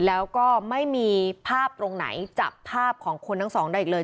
แล้วก็ไม่มีภาพตรงไหนจับภาพของคนทั้งสองได้อีกเลย